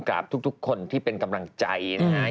ทุกคนที่เป็นกำลังใจนะฮะ